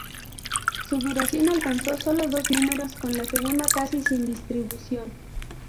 Su duración alcanzó solo dos números, con la segunda casi sin distribución.